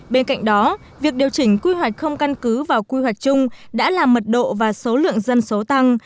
bên cạnh đó việc điều chỉnh quy hoạch không căn cứ vào quy hoạch chung đã làm mật độ và số lượng dân số tăng